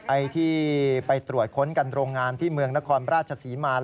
ไอ้ที่ไปตรวจค้นกันโรงงานที่เมืองนครราชศรีมา